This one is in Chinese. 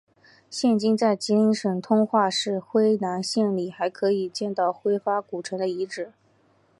现今在吉林省通化市辉南县里还可以见到辉发古城的遗址。